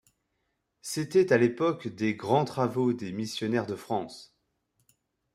C’était à l'époque des grands travaux des missionnaires de France.